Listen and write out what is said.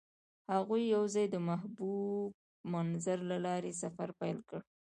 هغوی یوځای د محبوب منظر له لارې سفر پیل کړ.